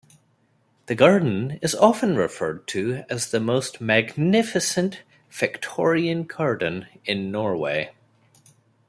The garden is often referred to as the most magnificent Victorian garden in Norway.